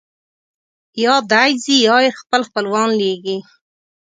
یا دی ځي یا یې خپل خپلوان لېږي.